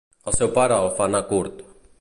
El seu pare el fa anar curt.